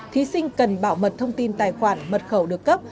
thí sinh cần bảo mật thông tin tài khoản mật khẩu được cấp